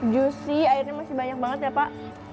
juicy airnya masih banyak banget ya pak